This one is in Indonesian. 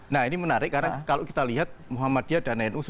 nah ini menarik karena kalau kita lihat muhammadiyah dan nu